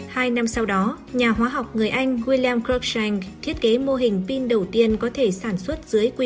hai năm sau đó nhà hóa học người anh william cruikshank thiết kế mô hình pin đầu tiên có thể sản xuất dưới quyển